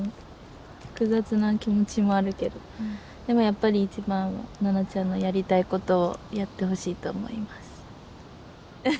複雑な気持ちもあるけどでもやっぱり一番は菜那ちゃんのやりたいことをやってほしいと思います。